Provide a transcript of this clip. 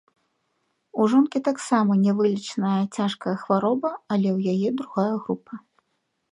У жонкі таксама невылечная цяжкая хвароба, але ў яе другая група.